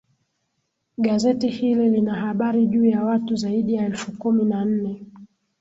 gazeti hili lina habari juu ya watu zaidi ya elfu kumi na nne